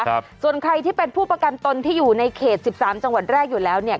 ครับส่วนใครที่เป็นผู้ประกันตนที่อยู่ในเขตสิบสามจังหวัดแรกอยู่แล้วเนี่ย